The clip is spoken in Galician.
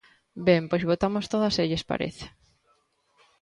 Ben, pois votamos todas se lles parece.